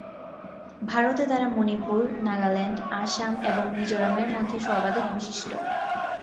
ভারতে তারা মণিপুর, নাগাল্যান্ড, আসাম এবং মিজোরামের মধ্যে সর্বাধিক বিশিষ্ট।